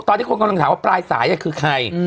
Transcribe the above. ตอนนี้คนกำลังถามว่าปลายสายคือใคร